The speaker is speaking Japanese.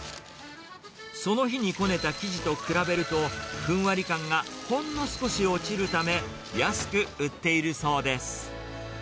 その日にこねた生地と比べると、ふんわり感がほんの少し落ちるため、安く売っているそうです。